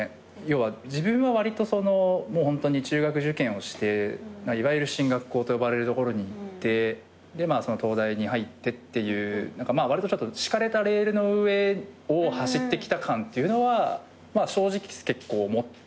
要は自分はわりとその中学受験をしていわゆる進学校とよばれる所にいって東大に入ってっていうわりと敷かれたレールの上を走ってきた感っていうのは正直結構持ってて。